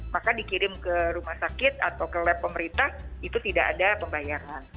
maka dikirim ke rumah sakit atau ke lab pemerintah itu tidak ada pembayaran